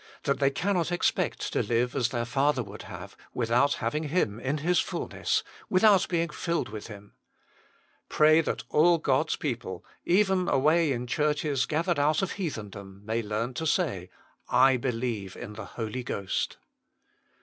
that they cannot expect to live as their Father would have, without having Him in His fulness, without being filled with Him ! Pray that all God s people, even away in churches gathered out of heathendom, may learn to say : I believe in the Holy Ghost.